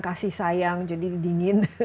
kasih sayang jadi dingin